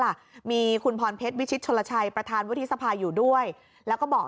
ล่ะมีคุณพรเพชรวิชิตชนลชัยประธานวุฒิสภาอยู่ด้วยแล้วก็บอก